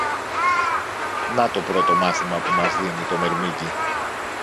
Να το πρώτο μάθημα που μας δίνει το μερμήγκι.